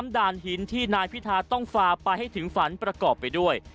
ด่านหินที่นายพิทาต้องฝ่าไปให้ถึงฝันประกอบไปด้วย